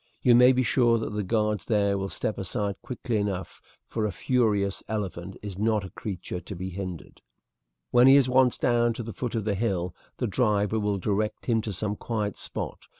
You may be sure that the guards there will step aside quickly enough, for a furious elephant is not a creature to be hindered. "When he is once down to the foot of the hill the driver will direct him to some quiet spot.